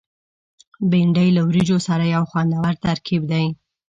بېنډۍ له وریجو سره یو خوندور ترکیب دی